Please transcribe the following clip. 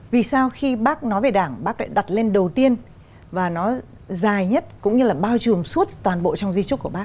vì sao khi bác nói về đảng bác lại đặt lên đầu tiên và nó dài nhất cũng như là bao trùm suốt toàn bộ trong di trúc của bác